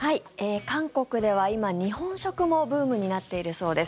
韓国では今、日本食もブームになっているそうです。